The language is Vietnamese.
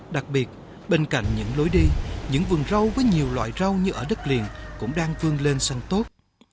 đặc biệt bên cạnh những lối đi những vườn râu với nhiều loại râu như ở đất liền cũng đang vương lên xanh tốt